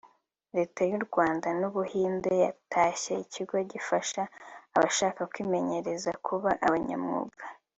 Leta y’u Rwanda n’u Buhinde batashye ikigo gifasha abashaka kwimenyereza kuba abanyamwuga